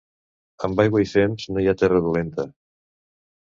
Amb aigua i fems no hi ha terra dolenta.